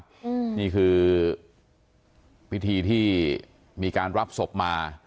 อืมนี่คือพิธีที่มีการรับศพมา